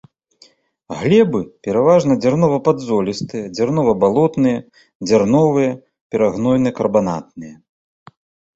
Глебы пераважна дзярнова-падзолістыя, дзярнова-балотныя, дзярновыя, перагнойна-карбанатныя.